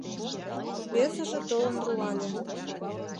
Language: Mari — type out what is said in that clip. Весыже толын руале.